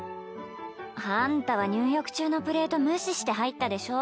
あんたは入浴中のプレート無視して入ったでしょ。